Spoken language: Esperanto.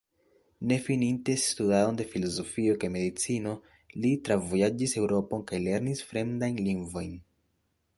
Ne fininte studadon de filozofio kaj medicino, li travojaĝis Eŭropon kaj lernis fremdajn lingvojn.